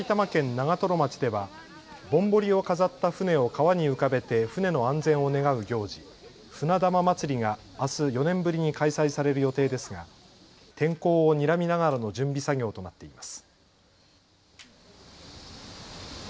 長瀞町ではぼんぼりを飾った船を川に浮かべて船の安全を願う行事、船玉まつりがあす４年ぶりに開催される予定ですが天候をにらみながらの準備作業となっています。